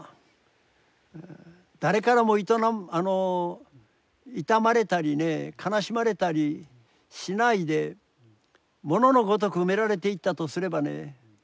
誰からも悼まれたりね悲しまれたりしないで物のごとく埋められていったとすればね